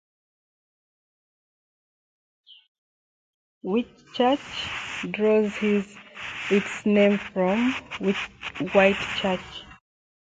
Whitchurch draws its name from "White Church".